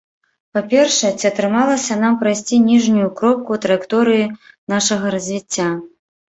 Па-першае, ці атрымалася нам прайсці ніжнюю кропку траекторыі нашага развіцця?